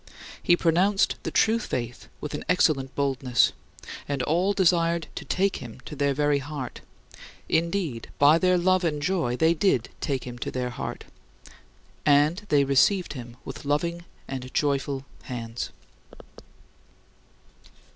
He pronounced the true faith with an excellent boldness, and all desired to take him to their very heart indeed, by their love and joy they did take him to their heart. And they received him with loving and joyful hands.